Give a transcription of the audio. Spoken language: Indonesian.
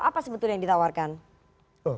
apa sebetulnya yang ditawarkan